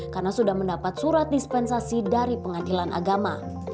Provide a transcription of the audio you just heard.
karena sudah mendapat surat dispensasi dari pengadilan agama